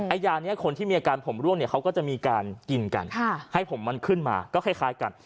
ยานี้คนที่มีอาการผมร่วงเนี่ยเขาก็จะมีการกินกันให้ผมมันขึ้นมาก็คล้ายกัน